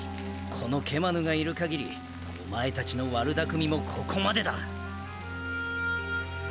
このケマヌがいるかぎりお前たちの悪だくみもここまでだ。